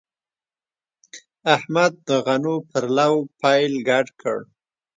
احمد د غنو پر لو پیل ګډ کړ.